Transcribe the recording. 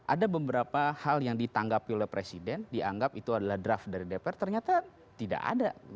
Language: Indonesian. ada beberapa hal yang ditanggapi oleh presiden dianggap itu adalah draft dari dpr ternyata tidak ada